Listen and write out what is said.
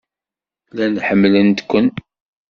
Llan ḥemmlen-kent.